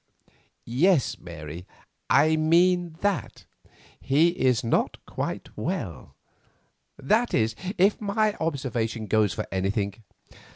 "Yes, Mary, I mean that—he is not quite well; that is, if my observation goes for anything.